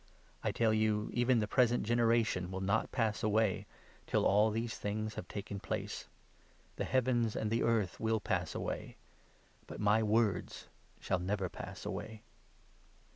I tell you, even the pre 34 sent generation will not pass away, till all these things have taken place. The heavens and the earth will pass 35 away, but my words shall never pass away.